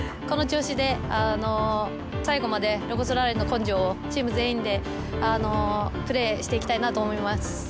この調子で最後までロコ・ソラーレの根性をチーム全員でプレーしていきたいなと思います。